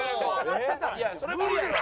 いやそれ無理やろ。